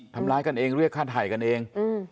ทำร้ายกันเองเรียกค่าถ่ายกันเอง